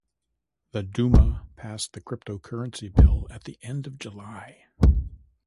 The Duma passed the cryptocurrency bill at the end of July.